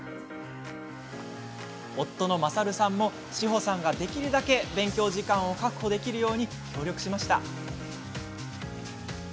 夫の優さんも志保さんができるだけ勉強時間を確保できるように協力しました。